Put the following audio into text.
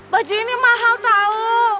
baju ini mahal tau